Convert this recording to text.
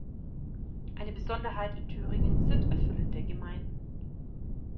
Eine Besonderheit in Thüringen sind erfüllende Gemeinden.